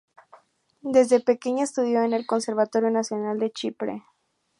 Desde pequeña estudió en el Conservatorio Nacional de Chipre.